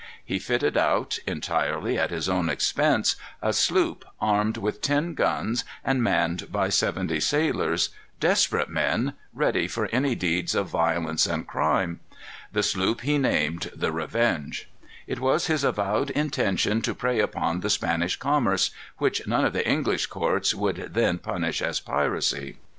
He fitted out, entirely at his own expense, a sloop armed with ten guns, and manned by seventy sailors, desperate men, ready for any deeds of violence and crime. The sloop he named the Revenge. It was his avowed intention to prey upon the Spanish commerce, which none of the English courts would then punish as piracy.